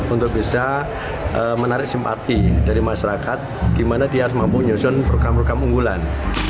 untuk bisa menarik simpati dari masyarakat gimana dia harus mampu menyusun program program unggulan